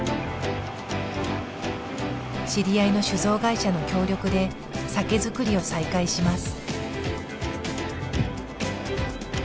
知り合いの酒造会社の協力で酒造りを再開します。